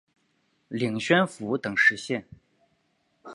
领宣府等十县。